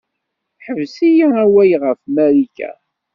Ḥbes-iyi awal ɣef Marika.